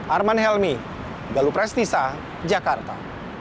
arman helmy galuprestisa jakarta